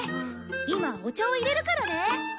今お茶を入れるからね。